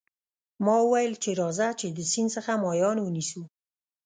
ما وویل چې راځه چې د سیند څخه ماهیان ونیسو.